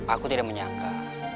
aku tidak menyangka